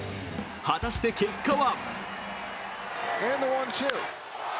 果たして、結果は。